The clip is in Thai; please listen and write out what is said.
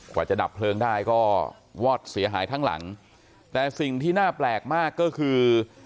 กว่าจะดับเพลิงได้ก็วอดเสียหายทั้งหลังแต่สิ่งที่น่าแปลกมากก็คือ